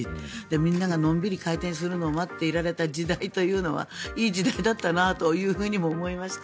みんながのんびり回転するのを待っていられた時代はいい時代だなと思いました。